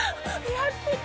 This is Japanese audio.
やってた！